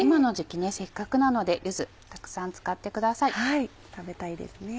はい食べたいですね。